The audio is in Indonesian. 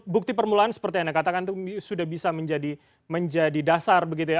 bukti permulaan seperti anda katakan itu sudah bisa menjadi dasar begitu ya